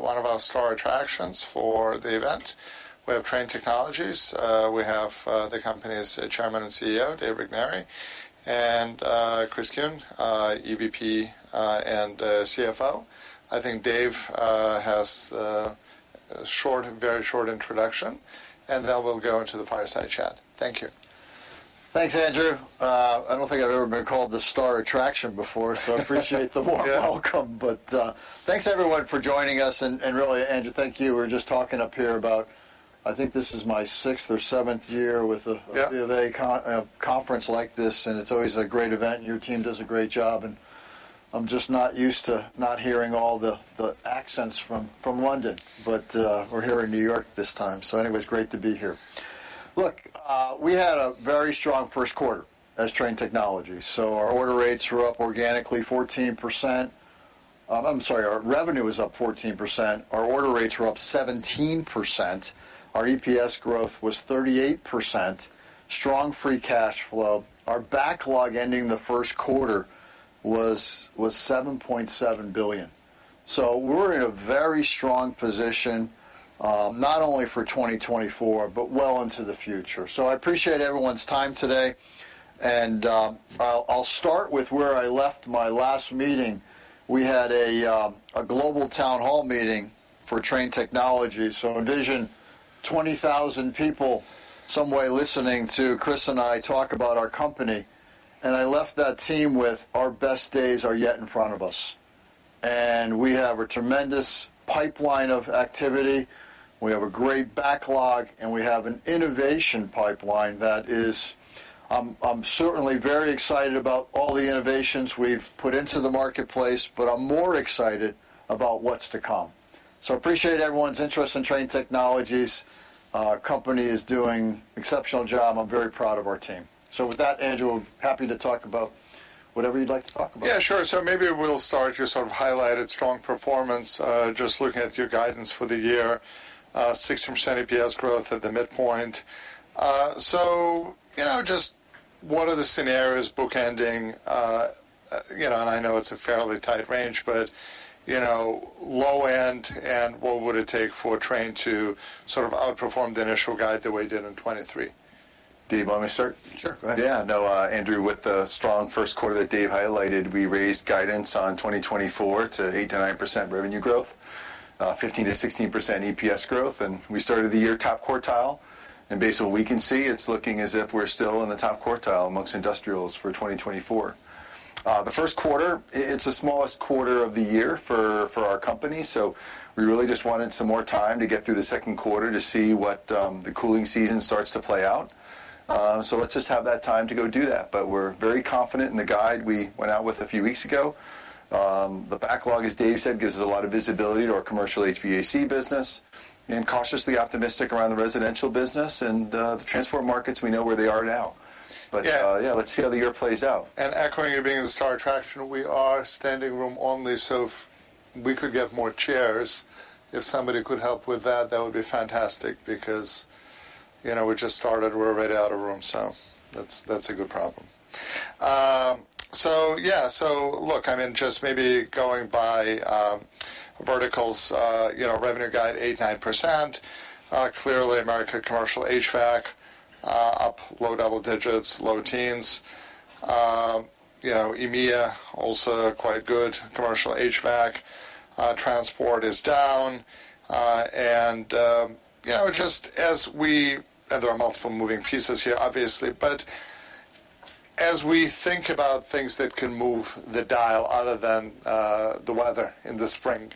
One of our star attractions for the event, we have Trane Technologies. We have the company's Chairman and CEO, Dave Regnery, and Chris Kuehn, EVP and CFO. I think Dave has a short, very short introduction, and then we'll go into the fireside chat. Thank you. Thanks, Andrew. I don't think I've ever been called the star attraction before, so I appreciate the warm welcome. But thanks, everyone, for joining us. And really, Andrew, thank you. We were just talking up here about I think this is my sixth or seventh year with a B of A conference like this, and it's always a great event. Your team does a great job, and I'm just not used to not hearing all the accents from London. But we're here in New York this time. So anyways, great to be here. Look, we had a very strong first quarter as Trane Technologies. So our order rates were up organically 14%. I'm sorry, our revenue was up 14%. Our order rates were up 17%. Our EPS growth was 38%. Strong free cash flow. Our backlog ending the first quarter was $7.7 billion. So we're in a very strong position, not only for 2024 but well into the future. So I appreciate everyone's time today. And I'll start with where I left my last meeting. We had a global town hall meeting for Trane Technologies. So envision 20,000 people somewhere listening to Chris and I talk about our company. And I left that team with, "Our best days are yet in front of us." And we have a tremendous pipeline of activity. We have a great backlog, and we have an innovation pipeline that is, I'm certainly very excited about all the innovations we've put into the marketplace, but I'm more excited about what's to come. So I appreciate everyone's interest in Trane Technologies. Company is doing an exceptional job. I'm very proud of our team. So with that, Andrew, I'm happy to talk about whatever you'd like to talk about. Yeah, sure. So maybe we'll start your sort of highlighted strong performance, just looking at your guidance for the year, 16% EPS growth at the midpoint. So just what are the scenarios bookending? And I know it's a fairly tight range, but low end, and what would it take for Trane to sort of outperform the initial guide the way it did in 2023? Dave, you want me to start? Sure, go ahead. Yeah. No, Andrew, with the strong first quarter that Dave highlighted, we raised guidance on 2024 to 8%-9% revenue growth, 15%-16% EPS growth. And we started the year top quartile. And based on what we can see, it's looking as if we're still in the top quartile amongst industrials for 2024. The first quarter, it's the smallest quarter of the year for our company. So we really just wanted some more time to get through the second quarter to see what the cooling season starts to play out. So let's just have that time to go do that. But we're very confident in the guide we went out with a few weeks ago. The backlog, as Dave said, gives us a lot of visibility to our commercial HVAC business and cautiously optimistic around the residential business and the transport markets. We know where they are now. Yeah, let's see how the year plays out. Echoing your being the star attraction, we are standing room only. So if we could get more chairs, if somebody could help with that, that would be fantastic because we just started. We're right out of room. So that's a good problem. So yeah. So look, I mean, just maybe going by verticals, revenue guide 8%-9%. Clearly, Americas commercial HVAC up low double digits, low teens. EMEA also quite good commercial HVAC. Transport is down. And just as we and there are multiple moving pieces here, obviously. But as we think about things that can move the dial other than the weather in the spring,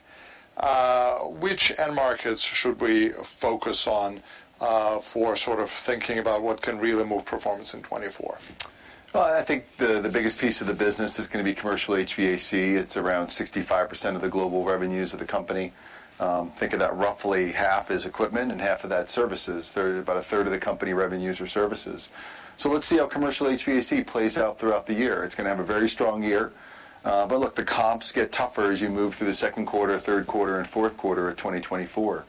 which end markets should we focus on for sort of thinking about what can really move performance in 2024? Well, I think the biggest piece of the business is going to be Commercial HVAC. It's around 65% of the global revenues of the company. Think of that roughly half as equipment and half of that services. About a third of the company revenues are services. So let's see how Commercial HVAC plays out throughout the year. It's going to have a very strong year. But look, the comps get tougher as you move through the second quarter, third quarter, and fourth quarter of 2024.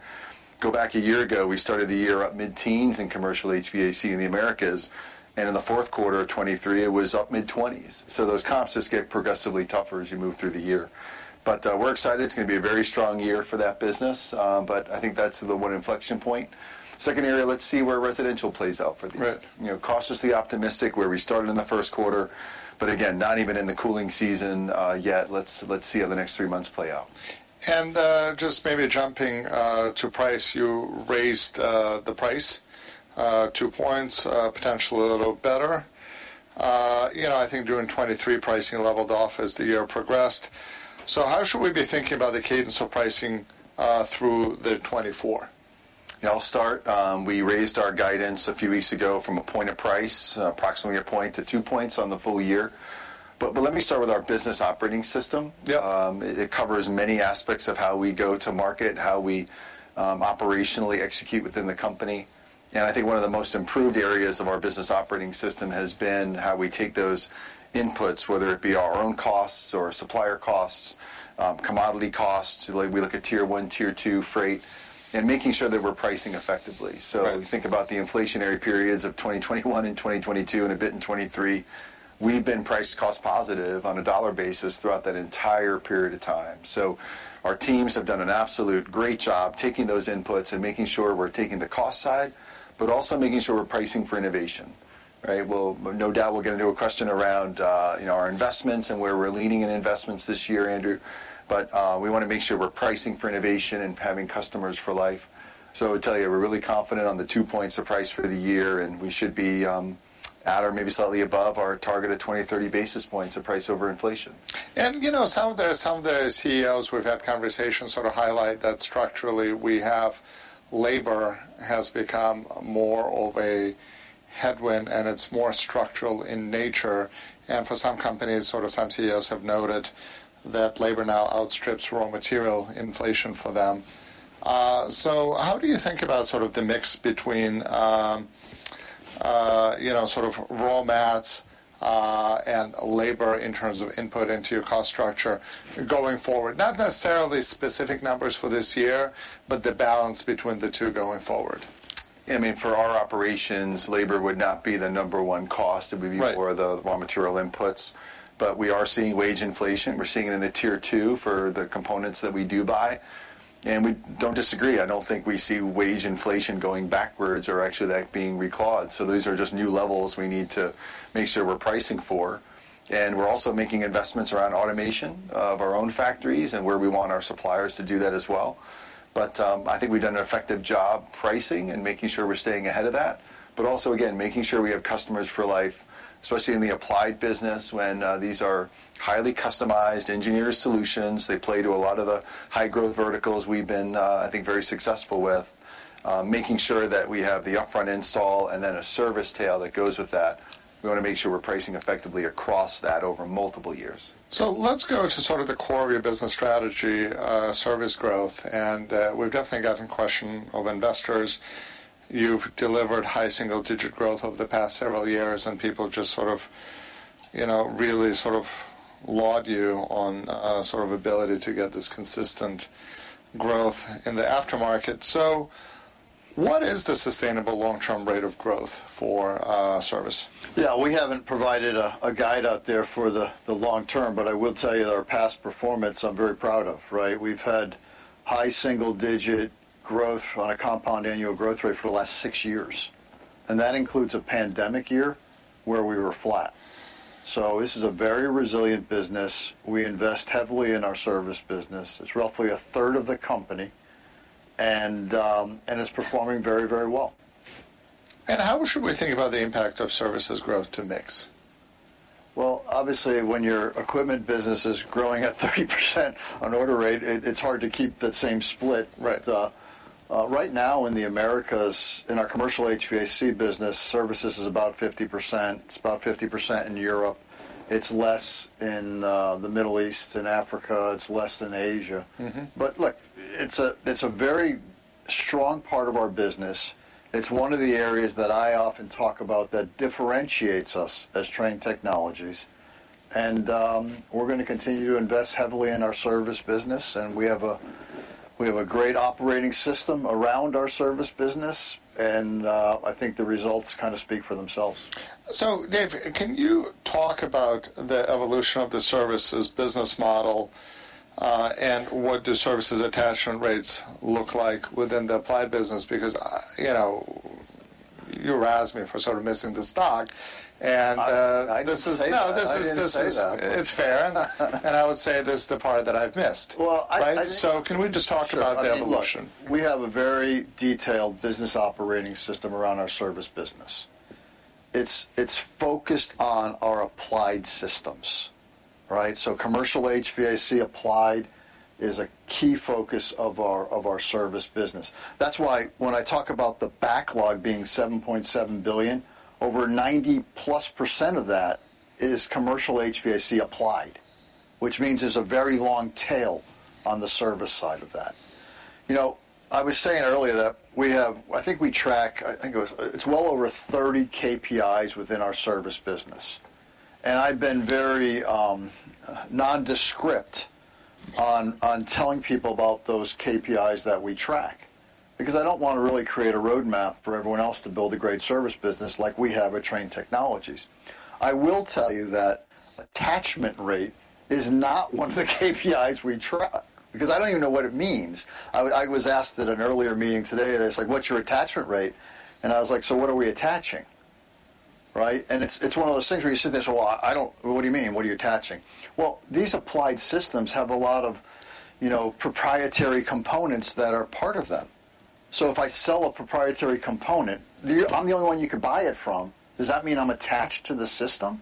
Go back a year ago, we started the year up mid-teens in Commercial HVAC in the Americas. And in the fourth quarter of 2023, it was up mid-20s. So those comps just get progressively tougher as you move through the year. But we're excited. It's going to be a very strong year for that business. But I think that's the one inflection point. Second area, let's see where residential plays out for the year. Cautiously optimistic where we started in the first quarter. But again, not even in the cooling season yet. Let's see how the next three months play out. Just maybe jumping to price, you raised the price two points, potentially a little better. I think during 2023, pricing leveled off as the year progressed. How should we be thinking about the cadence of pricing through the 2024? Yeah, I'll start. We raised our guidance a few weeks ago from 1 point of price, approximately one point to two points on the full year. But let me start with our Business Operating System. It covers many aspects of how we go to market, how we operationally execute within the company. And I think one of the most improved areas of our Business Operating System has been how we take those inputs, whether it be our own costs or supplier costs, commodity costs. We look at Tier 1, Tier 2 freight, and making sure that we're pricing effectively. So we think about the inflationary periods of 2021 and 2022 and a bit in 2023. We've been price cost positive on a dollar basis throughout that entire period of time. So our teams have done an absolute great job taking those inputs and making sure we're taking the cost side, but also making sure we're pricing for innovation, right? Well, no doubt we're going to do a question around our investments and where we're leaning in investments this year, Andrew. But we want to make sure we're pricing for innovation and having customers for life. So I would tell you, we're really confident on the two points of price for the year, and we should be at or maybe slightly above our target of 20-30 basis points of price over inflation. Some of the CEOs we've had conversations sort of highlight that structurally, labor has become more of a headwind, and it's more structural in nature. For some companies, sort of some CEOs have noted that labor now outstrips raw material inflation for them. How do you think about sort of the mix between sort of raw mats and labor in terms of input into your cost structure going forward? Not necessarily specific numbers for this year, but the balance between the two going forward. I mean, for our operations, labor would not be the number one cost. It would be more of the raw material inputs. But we are seeing wage inflation. We're seeing it in the Tier 2 for the components that we do buy. And we don't disagree. I don't think we see wage inflation going backwards or actually that being reclawed. So these are just new levels we need to make sure we're pricing for. And we're also making investments around automation of our own factories and where we want our suppliers to do that as well. But I think we've done an effective job pricing and making sure we're staying ahead of that, but also, again, making sure we have customers for life, especially in the applied business when these are highly customized engineered solutions. They play to a lot of the high growth verticals we've been, I think, very successful with, making sure that we have the upfront install and then a service tail that goes with that. We want to make sure we're pricing effectively across that over multiple years. Let's go to sort of the core of your business strategy, service growth. We've definitely gotten a question of investors. You've delivered high single-digit growth over the past several years, and people just sort of really sort of laud you on sort of ability to get this consistent growth in the aftermarket. What is the sustainable long-term rate of growth for service? Yeah, we haven't provided a guide out there for the long term, but I will tell you that our past performance, I'm very proud of, right? We've had high single-digit growth on a compound annual growth rate for the last six years. And that includes a pandemic year where we were flat. So this is a very resilient business. We invest heavily in our service business. It's roughly a third of the company, and it's performing very, very well. How should we think about the impact of services growth to mix? Well, obviously, when your equipment business is growing at 30% on order rate, it's hard to keep that same split. But right now, in the Americas, in our commercial HVAC business, services is about 50%. It's about 50% in Europe. It's less in the Middle East and Africa. It's less in Asia. But look, it's a very strong part of our business. It's one of the areas that I often talk about that differentiates us as Trane Technologies. And we're going to continue to invest heavily in our service business. And we have a great operating system around our service business. And I think the results kind of speak for themselves. So Dave, can you talk about the evolution of the services business model and what do services attachment rates look like within the applied business? Because you razzed me for sort of missing the stock. And this is. I didn't say that. No, it's fair. And I would say this is the part that I've missed, right? So can we just talk about the evolution? Look, we have a very detailed Business Operating System around our service business. It's focused on our applied systems, right? So commercial HVAC applied is a key focus of our service business. That's why when I talk about the backlog being $7.7 billion, over 90+% of that is commercial HVAC applied, which means there's a very long tail on the service side of that. I was saying earlier that we have I think we track I think it's well over 30 KPIs within our service business. I've been very nondescript on telling people about those KPIs that we track because I don't want to really create a roadmap for everyone else to build a great service business like we have at Trane Technologies. I will tell you that attachment rate is not one of the KPIs we track because I don't even know what it means. I was asked at an earlier meeting today. They said, "What's your attachment rate?" And I was like, "So what are we attaching?" Right? And it's one of those things where you sit there and say, "Well, what do you mean? What are you attaching?" Well, these applied systems have a lot of proprietary components that are part of them. So if I sell a proprietary component, I'm the only one you could buy it from. Does that mean I'm attached to the system?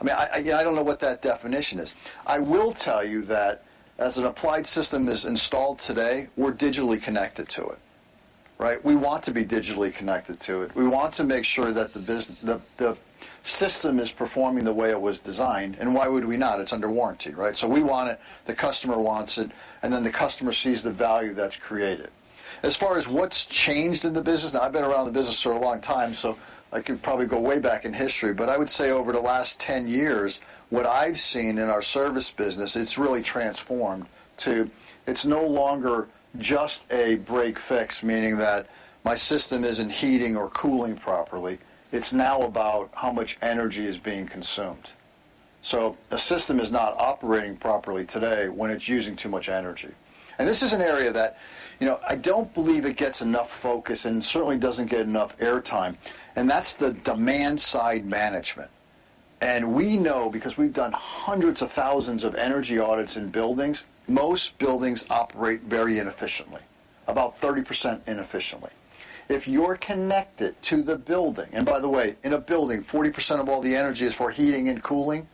I mean, I don't know what that definition is. I will tell you that as an applied system is installed today, we're digitally connected to it, right? We want to be digitally connected to it. We want to make sure that the system is performing the way it was designed. And why would we not? It's under warranty, right? So we want it. The customer wants it. And then the customer sees the value that's created. As far as what's changed in the business now, I've been around the business for a long time, so I could probably go way back in history. But I would say over the last 10 years, what I've seen in our service business, it's really transformed to it's no longer just a break-fix, meaning that my system isn't heating or cooling properly. It's now about how much energy is being consumed. So a system is not operating properly today when it's using too much energy. And this is an area that I don't believe it gets enough focus and certainly doesn't get enough airtime. And that's the demand side management. And we know because we've done hundreds of thousands of energy audits in buildings, most buildings operate very inefficiently, about 30% inefficiently. If you're connected to the building and by the way, in a building, 40% of all the energy is for heating and cooling.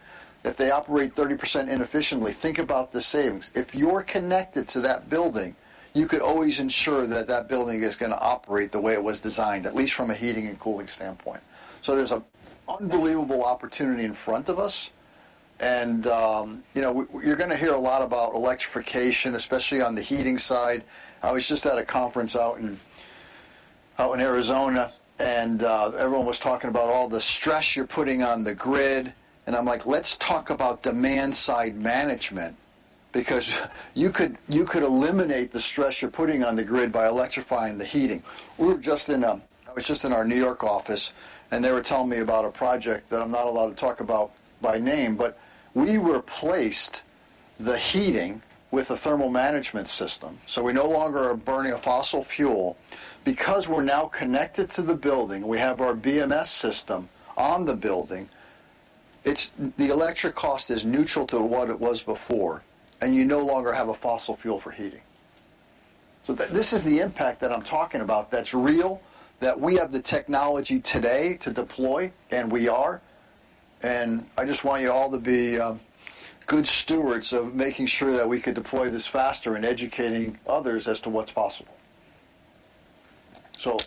If they operate 30% inefficiently, think about the savings. If you're connected to that building, you could always ensure that that building is going to operate the way it was designed, at least from a heating and cooling standpoint. So there's an unbelievable opportunity in front of us. And you're going to hear a lot about electrification, especially on the heating side. I was just at a conference out in Arizona, and everyone was talking about all the stress you're putting on the grid. And I'm like, "Let's talk about demand-side management because you could eliminate the stress you're putting on the grid by electrifying the heating." I was just in our New York office, and they were telling me about a project that I'm not allowed to talk about by name. But we replaced the heating with a thermal management system. So we no longer are burning a fossil fuel. Because we're now connected to the building, we have our BMS system on the building. The electric cost is neutral to what it was before, and you no longer have a fossil fuel for heating. So this is the impact that I'm talking about that's real, that we have the technology today to deploy, and we are. I just want you all to be good stewards of making sure that we could deploy this faster and educating others as to what's possible.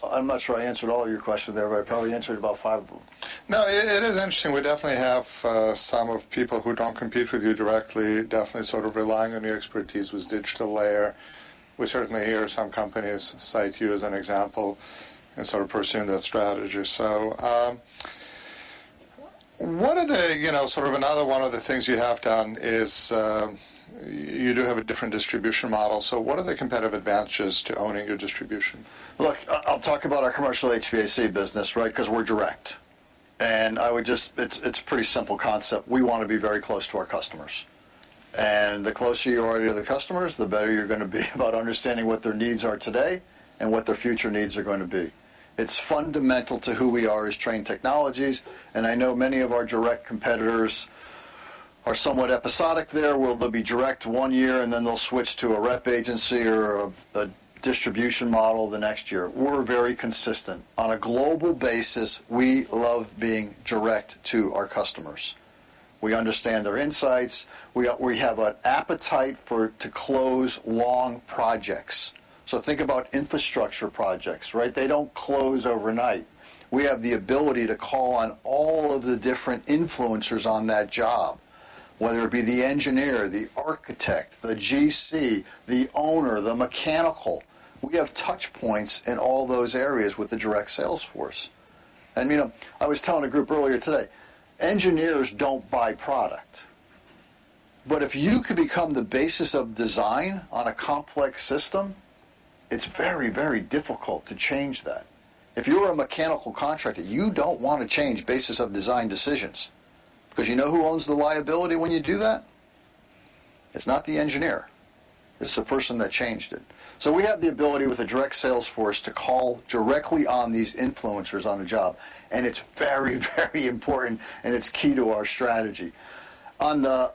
I'm not sure I answered all of your questions there, but I probably answered about five of them. No, it is interesting. We definitely have some people who don't compete with you directly, definitely sort of relying on your expertise with digital layer. We certainly hear some companies cite you as an example and sort of pursue that strategy. What are the sort of another one of the things you have done is you do have a different distribution model. So what are the competitive advantages to owning your distribution? Look, I'll talk about our commercial HVAC business, right, because we're direct. It's a pretty simple concept. We want to be very close to our customers. The closer you are to the customers, the better you're going to be about understanding what their needs are today and what their future needs are going to be. It's fundamental to who we are as Trane Technologies. I know many of our direct competitors are somewhat episodic there. They'll be direct one year, and then they'll switch to a rep agency or a distribution model the next year. We're very consistent. On a global basis, we love being direct to our customers. We understand their insights. We have an appetite to close long projects. So think about infrastructure projects, right? They don't close overnight. We have the ability to call on all of the different influencers on that job, whether it be the engineer, the architect, the GC, the owner, the mechanical. We have touchpoints in all those areas with the direct salesforce. And I was telling a group earlier today, engineers don't buy product. But if you could become the basis of design on a complex system, it's very, very difficult to change that. If you're a mechanical contractor, you don't want to change basis of design decisions because you know who owns the liability when you do that. It's not the engineer. It's the person that changed it. So we have the ability with the direct salesforce to call directly on these influencers on a job. And it's very, very important, and it's key to our strategy. On the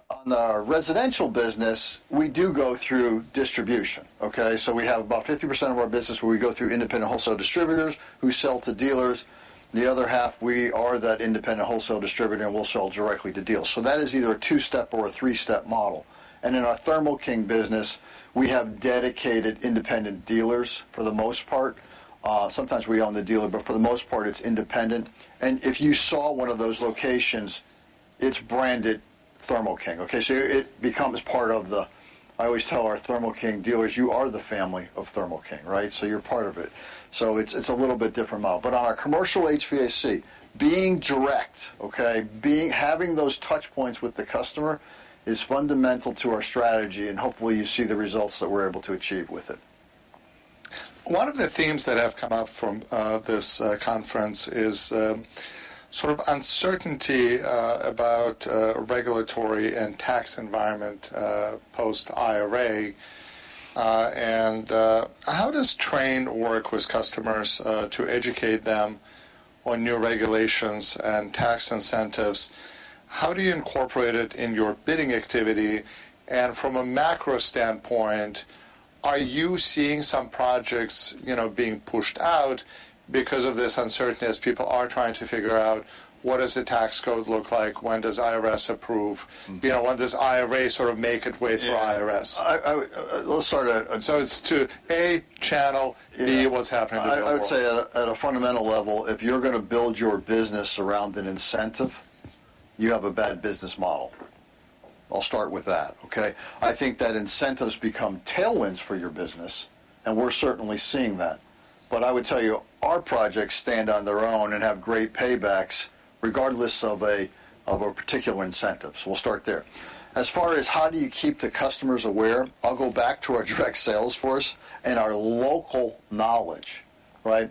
residential business, we do go through distribution, okay? So we have about 50% of our business where we go through independent wholesale distributors who sell to dealers. The other half, we are that independent wholesale distributor, and we'll sell directly to dealers. So that is either a two-step or a three-step model. And in our Thermo King business, we have dedicated independent dealers for the most part. Sometimes we own the dealer, but for the most part, it's independent. And if you saw one of those locations, it's branded Thermo King, okay? So it becomes part of the I always tell our Thermo King dealers, "You are the family of Thermo King," right? So you're part of it. So it's a little bit different model. But on our commercial HVAC, being direct, okay, having those touchpoints with the customer is fundamental to our strategy. And hopefully, you see the results that we're able to achieve with it. One of the themes that have come up from this conference is sort of uncertainty about regulatory and tax environment post-IRA. How does Trane work with customers to educate them on new regulations and tax incentives? How do you incorporate it in your bidding activity? From a macro standpoint, are you seeing some projects being pushed out because of this uncertainty? People are trying to figure out, "What does the tax code look like? When does IRS approve? When does IRA sort of make its way through IRS? Let's start at. So it's to A channel B, what's happening in the building. I would say at a fundamental level, if you're going to build your business around an incentive, you have a bad business model. I'll start with that, okay? I think that incentives become tailwinds for your business, and we're certainly seeing that. But I would tell you, our projects stand on their own and have great paybacks regardless of a particular incentive. So we'll start there. As far as how do you keep the customers aware? I'll go back to our direct salesforce and our local knowledge, right?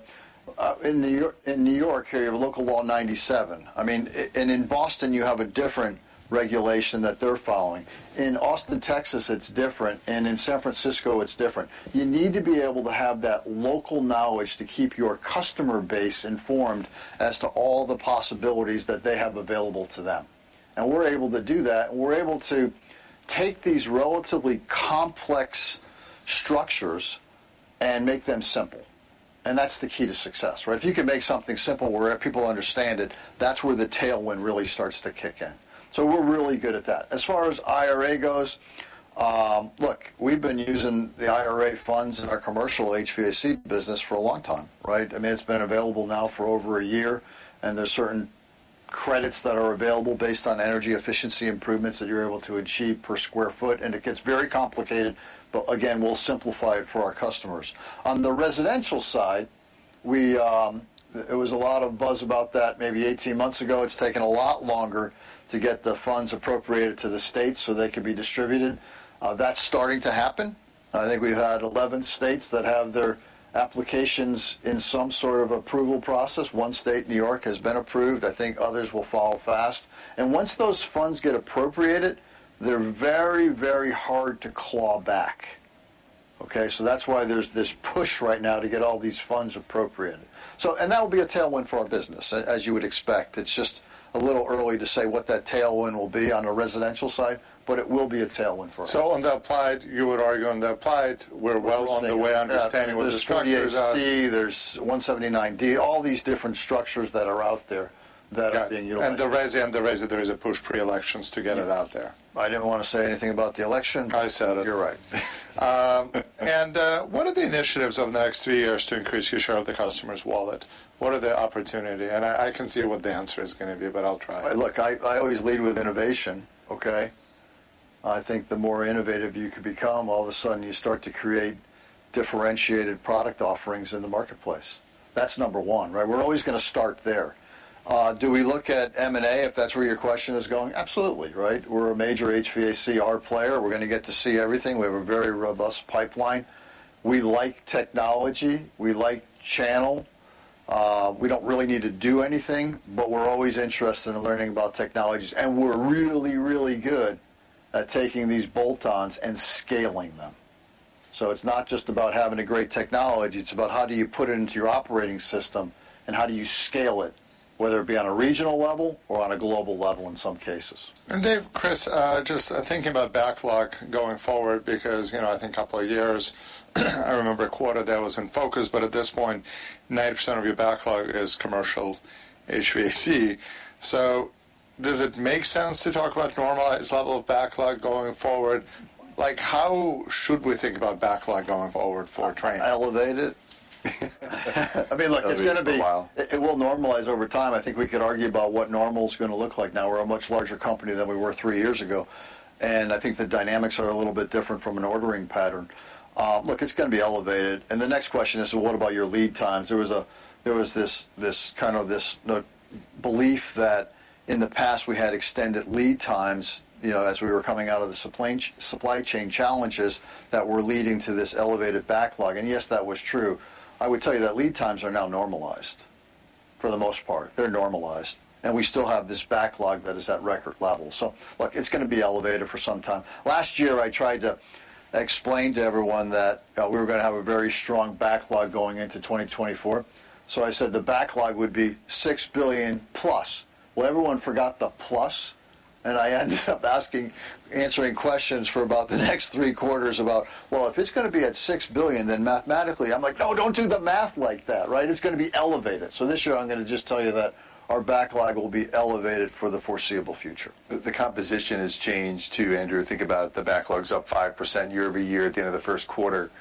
In New York, here, you have a Local Law 97. I mean, and in Boston, you have a different regulation that they're following. In Austin, Texas, it's different. And in San Francisco, it's different. You need to be able to have that local knowledge to keep your customer base informed as to all the possibilities that they have available to them. We're able to do that. We're able to take these relatively complex structures and make them simple. That's the key to success, right? If you can make something simple where people understand it, that's where the tailwind really starts to kick in. We're really good at that. As far as IRA goes, look, we've been using the IRA funds in our Commercial HVAC business for a long time, right? I mean, it's been available now for over a year. There's certain credits that are available based on energy efficiency improvements that you're able to achieve per square foot. It gets very complicated. Again, we'll simplify it for our customers. On the Residential side, it was a lot of buzz about that maybe 18 months ago. It's taken a lot longer to get the funds appropriated to the states so they could be distributed. That's starting to happen. I think we've had 11 states that have their applications in some sort of approval process. One state, New York, has been approved. I think others will follow fast. And once those funds get appropriated, they're very, very hard to claw back, okay? So that's why there's this push right now to get all these funds appropriated. And that will be a tailwind for our business, as you would expect. It's just a little early to say what that tailwind will be on the residential side, but it will be a tailwind for us. So on the applied, you would argue on the applied, we're well on the way understanding what the structures are. There's 179D, all these different structures that are out there that are being utilized. The resi, there is a push pre-elections to get it out there. I didn't want to say anything about the election. I said it. You're right. What are the initiatives over the next three years to increase your share of the customer's wallet? What are the opportunity? I can see what the answer is going to be, but I'll try. Look, I always lead with innovation, okay? I think the more innovative you could become, all of a sudden, you start to create differentiated product offerings in the marketplace. That's number one, right? We're always going to start there. Do we look at M&A if that's where your question is going? Absolutely, right? We're a major HVACR player. We're going to get to see everything. We have a very robust pipeline. We like technology. We like channel. We don't really need to do anything, but we're always interested in learning about technologies. And we're really, really good at taking these bolt-ons and scaling them. So it's not just about having a great technology. It's about how do you put it into your operating system, and how do you scale it, whether it be on a regional level or on a global level in some cases. Dave, Chris, just thinking about backlog going forward because I think a couple of years I remember a quarter that was in focus, but at this point, 90% of your backlog is Commercial HVAC. So does it make sense to talk about normalized level of backlog going forward? How should we think about backlog going forward for Trane? Elevate it. I mean, look, it's going to be. It'll be a while. It will normalize over time. I think we could argue about what normal is going to look like. Now, we're a much larger company than we were three years ago. I think the dynamics are a little bit different from an ordering pattern. Look, it's going to be elevated. The next question is, what about your lead times? There was kind of this belief that in the past, we had extended lead times as we were coming out of the supply chain challenges that were leading to this elevated backlog. Yes, that was true. I would tell you that lead times are now normalized for the most part. They're normalized. We still have this backlog that is at record level. Look, it's going to be elevated for some time. Last year, I tried to explain to everyone that we were going to have a very strong backlog going into 2024. So I said the backlog would be $6 billion+. Well, everyone forgot the plus. And I ended up answering questions for about the next three quarters about, "Well, if it's going to be at $6 billion, then mathematically," I'm like, "No, don't do the math like that," right? "It's going to be elevated." So this year, I'm going to just tell you that our backlog will be elevated for the foreseeable future. The composition has changed too, Andrew. Think about the backlog's up 5% year-over-year at the end of the first quarter.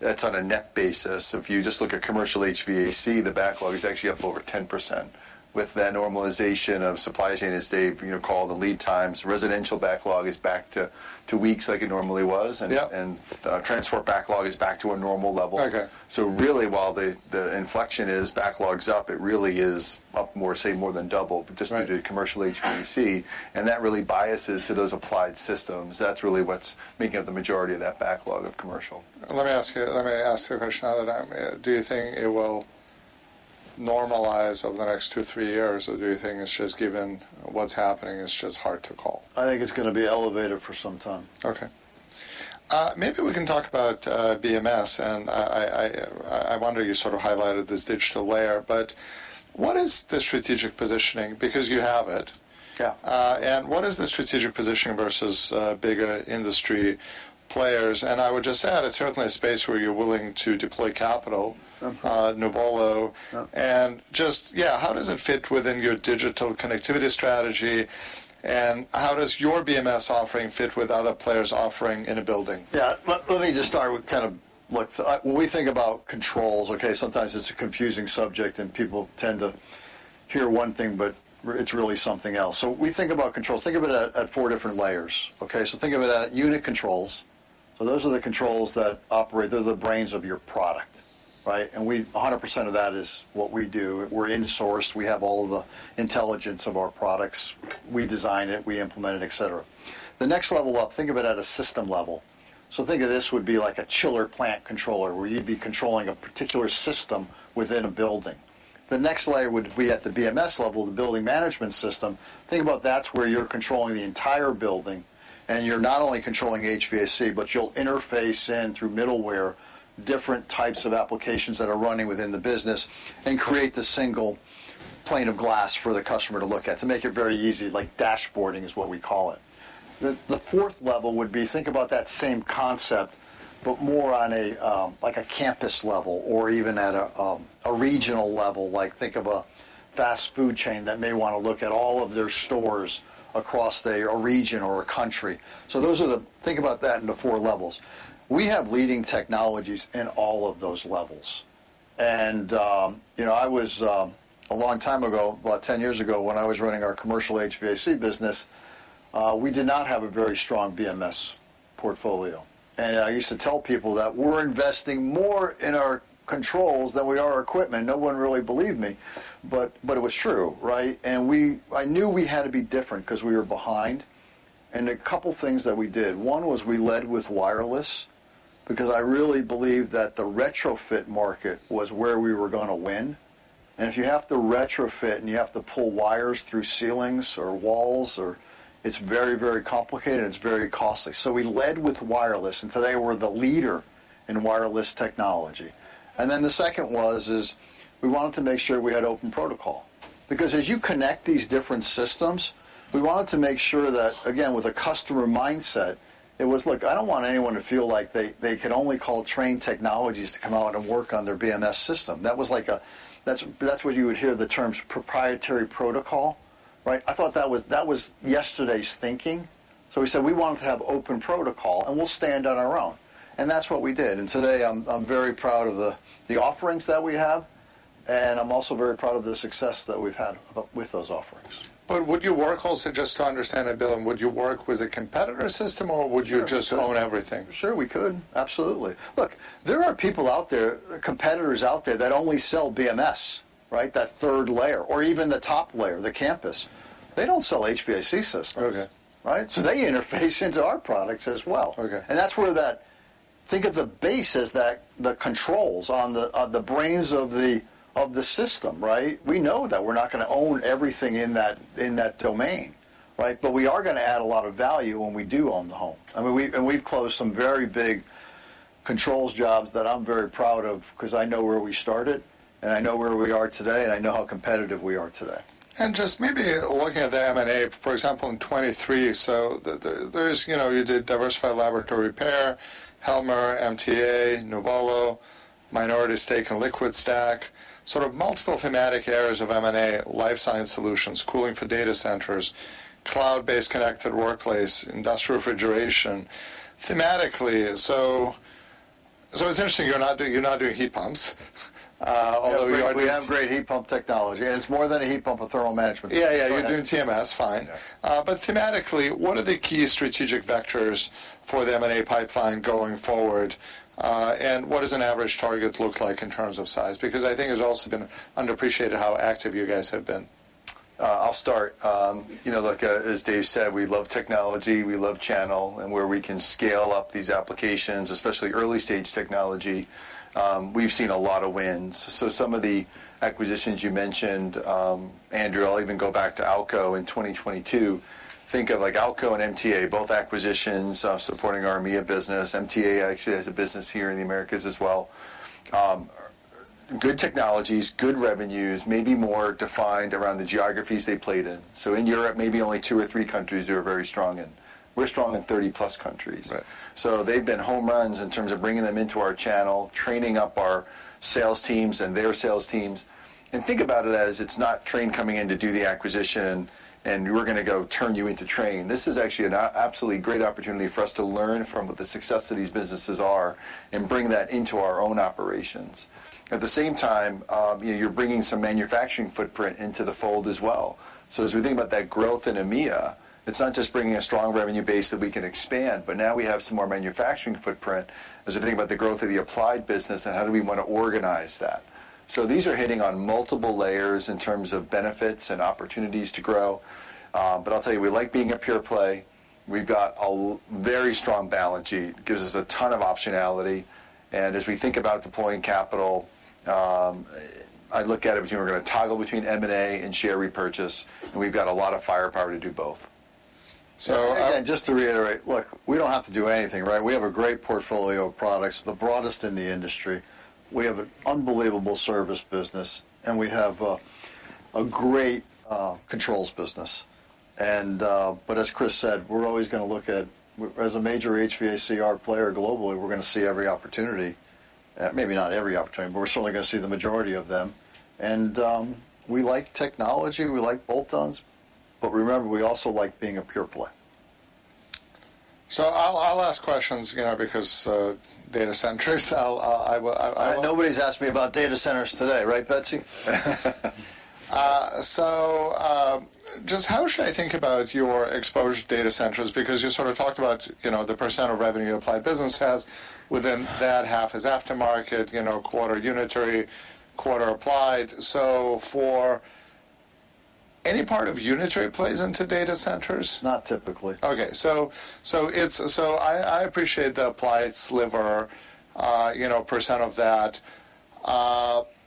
That's on a net basis. If you just look at commercial HVAC, the backlog is actually up over 10%. With that normalization of supply chain, as Dave called, the lead times, residential backlog is back to weeks like it normally was, and transport backlog is back to a normal level. So really, while the inflection is backlog's up, it really is up, say, more than double just due to commercial HVAC. And that really biases to those applied systems. That's really what's making up the majority of that backlog of commercial. Let me ask you the question another time. Do you think it will normalize over the next two, three years, or do you think it's just given what's happening, it's just hard to call? I think it's going to be elevated for some time. Okay. Maybe we can talk about BMS. And I wonder you sort of highlighted this digital layer. But what is the strategic positioning? Because you have it. And what is the strategic positioning versus bigger industry players? And I would just add, it's certainly a space where you're willing to deploy capital, Nuvolo. And just, yeah, how does it fit within your digital connectivity strategy? And how does your BMS offering fit with other players' offering in a building? Yeah. Let me just start with kind of when we think about controls, okay? Sometimes it's a confusing subject, and people tend to hear one thing, but it's really something else. So we think about controls. Think of it at four different layers, okay? So think of it at unit controls. So those are the controls that operate. They're the brains of your product, right? And 100% of that is what we do. We're insourced. We have all of the intelligence of our products. We design it. We implement it, etc. The next level up, think of it at a system level. So think of this would be like a chiller plant controller where you'd be controlling a particular system within a building. The next layer would be at the BMS level, the building management system. Think about that's where you're controlling the entire building. And you're not only controlling HVAC, but you'll interface in through middleware different types of applications that are running within the business and create the single plane of glass for the customer to look at to make it very easy. Dashboarding is what we call it. The fourth level would be think about that same concept, but more on a campus level or even at a regional level. Think of a fast food chain that may want to look at all of their stores across a region or a country. So think about that in the four levels. We have leading technologies in all of those levels. And I was a long time ago, about 10 years ago, when I was running our commercial HVAC business, we did not have a very strong BMS portfolio. And I used to tell people that we're investing more in our controls than we are equipment. No one really believed me, but it was true, right? And a couple of things that we did, one was we led with wireless because I really believe that the retrofit market was where we were going to win. And if you have to retrofit, and you have to pull wires through ceilings or walls, it's very, very complicated. It's very costly. So we led with wireless. And today, we're the leader in wireless technology. Then the second was, we wanted to make sure we had open protocol because as you connect these different systems, we wanted to make sure that, again, with a customer mindset, it was, "Look, I don't want anyone to feel like they can only call Trane Technologies to come out and work on their BMS system." That was like, that's where you would hear the terms proprietary protocol, right? I thought that was yesterday's thinking. So we said, "We want to have open protocol, and we'll stand on our own." And that's what we did. And today, I'm very proud of the offerings that we have. And I'm also very proud of the success that we've had with those offerings. Would your work, also just to understand it, Bill, would your work was a competitor system, or would you just own everything? Sure. We could. Absolutely. Look, there are people out there, competitors out there that only sell BMS, right, that third layer or even the top layer, the campus. They don't sell HVAC systems, right? So they interface into our products as well. And that's where you think of the base as the controls, the brains of the system, right? We know that we're not going to own everything in that domain, right? But we are going to add a lot of value when we do own the home. I mean, and we've closed some very big controls jobs that I'm very proud of because I know where we started, and I know where we are today, and I know how competitive we are today. Just maybe looking at the M&A, for example, in 2023, so you did Diversified Laboratory Repair, Helmer, MTA, Nuvolo, minority stake in LiquidStack, sort of multiple thematic areas of M&A, life science solutions, cooling for data centers, cloud-based connected workplace, industrial refrigeration, thematically. So it's interesting. You're not doing heat pumps, although you are. We have great heat pump technology. It's more than a heat pump, a thermal management system. Yeah, yeah. You're doing TMS. Fine. But thematically, what are the key strategic vectors for the M&A pipeline going forward? And what does an average target look like in terms of size? Because I think it's also been underappreciated how active you guys have been. I'll start. Look, as Dave said, we love technology. We love channel. And where we can scale up these applications, especially early-stage technology, we've seen a lot of wins. So some of the acquisitions you mentioned, Andrew, I'll even go back to AL-KO in 2022. Think of AL-KO and MTA, both acquisitions supporting our MEA business. MTA actually has a business here in the Americas as well. Good technologies, good revenues, maybe more defined around the geographies they played in. So in Europe, maybe only two or three countries they were very strong in. We're strong in 30-plus countries. So they've been home runs in terms of bringing them into our channel, training up our sales teams and their sales teams. And think about it as it's not Trane coming in to do the acquisition, and we're going to go turn you into Trane. This is actually an absolutely great opportunity for us to learn from what the success of these businesses are and bring that into our own operations. At the same time, you're bringing some manufacturing footprint into the fold as well. So as we think about that growth in EMEA, it's not just bringing a strong revenue base that we can expand, but now we have some more manufacturing footprint as we think about the growth of the applied business and how do we want to organize that. So these are hitting on multiple layers in terms of benefits and opportunities to grow. But I'll tell you, we like being a pure play. We've got a very strong balance sheet. It gives us a ton of optionality. And as we think about deploying capital, I look at it between we're going to toggle between M&A and share repurchase. And we've got a lot of firepower to do both. And again, just to reiterate, look, we don't have to do anything, right? We have a great portfolio of products, the broadest in the industry. We have an unbelievable service business. And we have a great controls business. But as Chris said, we're always going to look at, as a major HVACR player globally, we're going to see every opportunity, maybe not every opportunity, but we're certainly going to see the majority of them. And we like technology. We like bolt-ons. But remember, we also like being a pure play. I'll ask questions because data centers. Nobody's asked me about data centers today, right, Betsy? So just how should I think about your exposure to data centers? Because you sort of talked about the percent of revenue your applied business has. Within that half is aftermarket, quarter unitary, quarter applied. So any part of unitary plays into data centers? Not typically. Okay. So I appreciate the applied sliver % of that.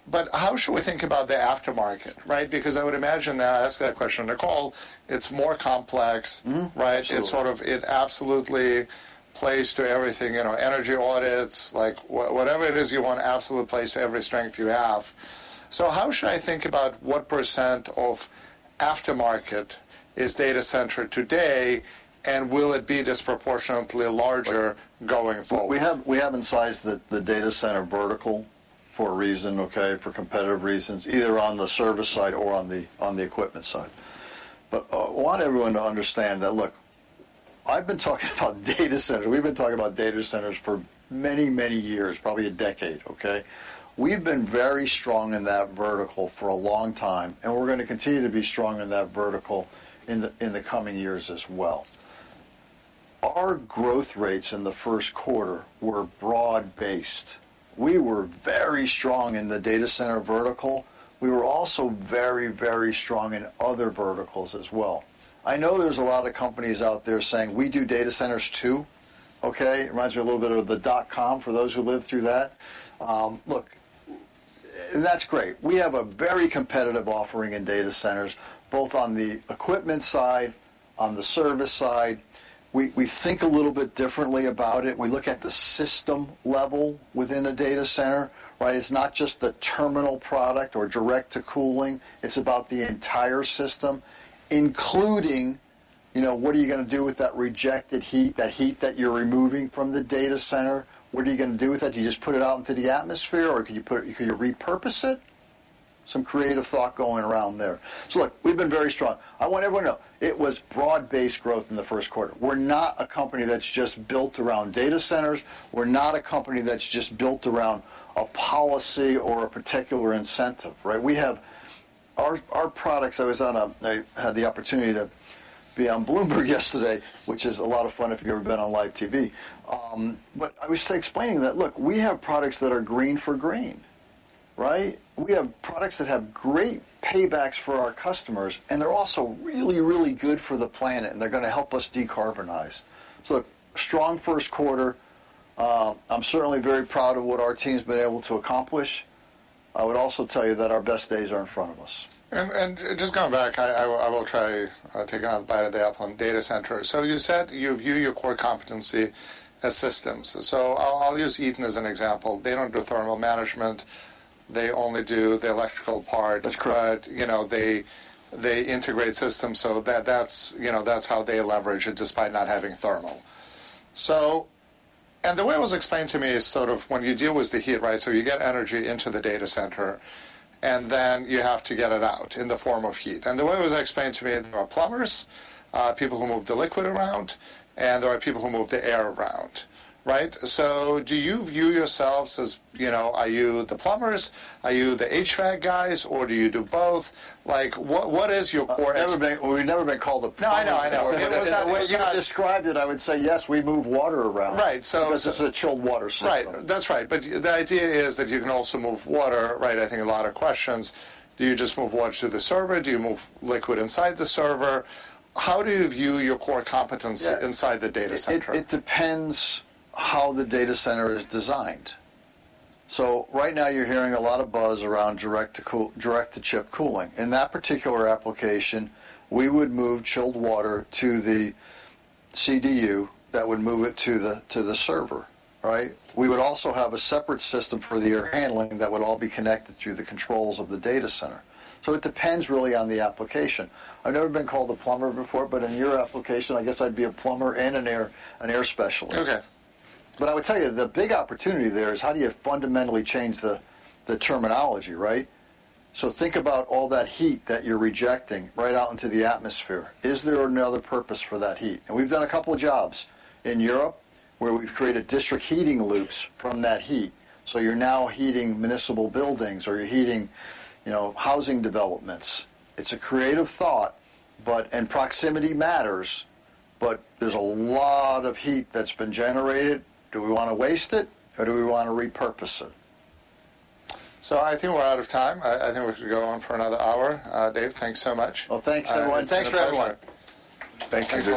But how should we think about the aftermarket, right? Because I would imagine now, I asked that question to Nicole. It's more complex, right? It absolutely plays to everything, energy audits, whatever it is you want, absolutely plays to every strength you have. So how should I think about what % of aftermarket is data center today, and will it be disproportionately larger going forward? We haven't sized the data center vertical for a reason, okay, for competitive reasons, either on the service side or on the equipment side. But I want everyone to understand that, look, I've been talking about data centers. We've been talking about data centers for many, many years, probably a decade, okay? We've been very strong in that vertical for a long time. And we're going to continue to be strong in that vertical in the coming years as well. Our growth rates in the first quarter were broad-based. We were very strong in the data center vertical. We were also very, very strong in other verticals as well. I know there's a lot of companies out there saying, "We do data centers too," okay? Reminds me a little bit of the dot-com for those who lived through that. Look, and that's great. We have a very competitive offering in data centers, both on the equipment side, on the service side. We think a little bit differently about it. We look at the system level within a data center, right? It's not just the terminal product or direct to cooling. It's about the entire system, including what are you going to do with that rejected heat, that heat that you're removing from the data center? What are you going to do with that? Do you just put it out into the atmosphere, or can you repurpose it? Some creative thought going around there. So look, we've been very strong. I want everyone to know it was broad-based growth in the first quarter. We're not a company that's just built around data centers. We're not a company that's just built around a policy or a particular incentive, right? Our products. I had the opportunity to be on Bloomberg yesterday, which is a lot of fun if you've ever been on live TV. But I was explaining that, look, we have products that are green for green, right? We have products that have great paybacks for our customers. And they're also really, really good for the planet. And they're going to help us decarbonize. So strong first quarter. I'm certainly very proud of what our team's been able to accomplish. I would also tell you that our best days are in front of us. And just going back, I will try taking a bite of the apple on data centers. So you said you view your core competency as systems. So I'll use Eaton as an example. They don't do thermal management. They only do the electrical part. But they integrate systems. So that's how they leverage it despite not having thermal. And the way it was explained to me is sort of when you deal with the heat, right, so you get energy into the data center, and then you have to get it out in the form of heat. And the way it was explained to me, there are plumbers, people who move the liquid around, and there are people who move the air around, right? So do you view yourselves as, "Are you the plumbers? Are you the HVAC guys? Or do you do both?" What is your core? We've never been called the plumbers. No, I know. I know. The way you described it, I would say, "Yes, we move water around because it's a chilled water system. Right. That's right. But the idea is that you can also move water, right? I think a lot of questions. Do you just move water through the server? Do you move liquid inside the server? How do you view your core competency inside the data center? It depends how the data center is designed. So right now, you're hearing a lot of buzz around direct-to-chip cooling. In that particular application, we would move chilled water to the CDU that would move it to the server, right? We would also have a separate system for the air handling that would all be connected through the controls of the data center. So it depends really on the application. I've never been called the plumber before. But in your application, I guess I'd be a plumber and an air specialist. But I would tell you, the big opportunity there is how do you fundamentally change the terminology, right? So think about all that heat that you're rejecting right out into the atmosphere. Is there another purpose for that heat? And we've done a couple of jobs in Europe where we've created district heating loops from that heat. So you're now heating municipal buildings, or you're heating housing developments. It's a creative thought, and proximity matters. But there's a lot of heat that's been generated. Do we want to waste it, or do we want to repurpose it? I think we're out of time. I think we should go on for another hour. Dave, thanks so much. Well, thanks, everyone. Thanks for having me. Thanks, Andrew.